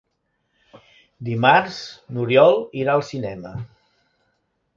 Dimarts n'Oriol irà al cinema.